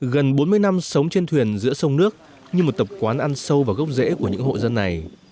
gần bốn mươi năm sống trên thuyền giữa sông nước như một tập quán ăn sâu vào gốc rễ của những hộ dân này